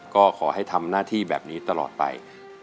ก็ขอให้ทำหน้าที่แบบนี้ตลอดไป